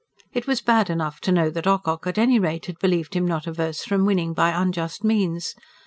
It was bad enough to know that Ocock at any rate had believed him not averse from winning by unjust means.